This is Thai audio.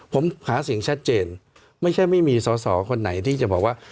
ผมหาเสียงชัดเจนไม่ใช่ไม่มีสอสอคนไหนที่จะบอกว่า